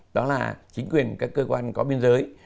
đó là chính quyền các cơ quan có biên giới